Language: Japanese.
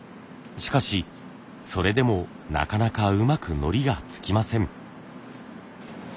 しかしそれでもなかなかうまくのりが付きません。